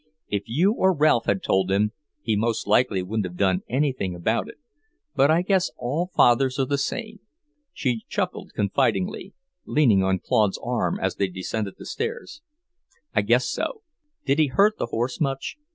If you or Ralph had told him, he most likely wouldn't have done anything about it. But I guess all fathers are the same." She chuckled confidingly, leaning on Claude's arm as they descended the stairs. "I guess so. Did he hurt the horse much?